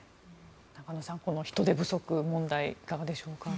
中野さん、人手不足問題いかがでしょうか。